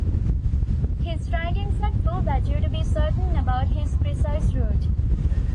His writings are too vague to be certain about his precise route.